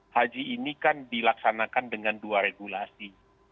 haji ini kan dilaksanakan dengan dua regulasi